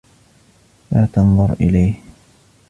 لا تنظر إليه!